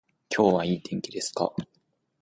今日はいい天気ですか